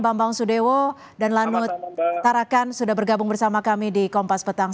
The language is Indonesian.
bambang sudewo dan lanut tarakan sudah bergabung bersama kami di kompas petang